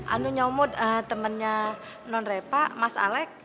anu nyamud temennya nonrepa mas alex